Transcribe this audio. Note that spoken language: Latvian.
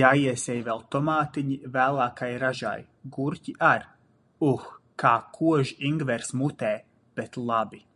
Jāiesēj vēl tomātiņi vēlākai ražai, gurķi ar. Uh, kā kož ingvers mutē, bet labi...